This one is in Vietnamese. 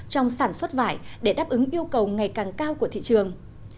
trong sản xuất vải để đáp ứng yêu cầu ngày càng cao của thị trường